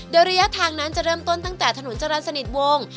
โดยระยะทางนั้นจะเริ่มต้นตั้งแต่ถนนจรรย์สนิทวง